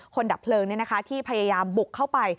ดับเพลิงที่พยายามบุกเข้าไป